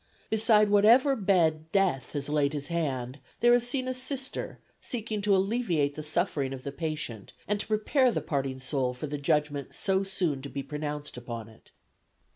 Beside whatever bed death has laid his hand, there is seen a Sister seeking to alleviate the suffering of the patient and to prepare the parting soul for the judgment so soon to be pronounced upon it."